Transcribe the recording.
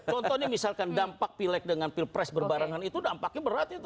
contohnya misalkan dampak pilag dengan pprs berbarangan itu dampaknya berat itu